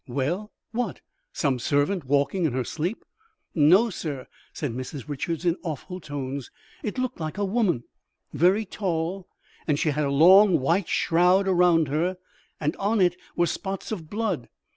"Well, what? Some servant walking in her sleep?" "No, sir," said Mrs. Richards in awful tones. "It looked like a woman, very tall, and she had a long white shroud around her, and on it were spots of blood.